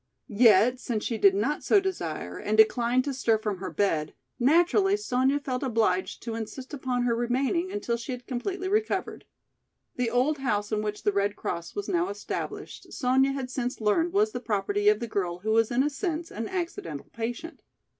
Yet since she did not so desire and declined to stir from her bed, naturally Sonya felt obliged to insist upon her remaining until she had completely recovered. The old house in which the Red Cross was now established Sonya had since learned was the property of the girl who was in a sense an accidental patient.